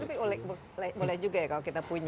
tapi boleh juga ya kalau kita punya